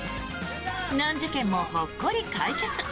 難事件もほっこり解決。